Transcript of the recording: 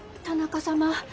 田中様。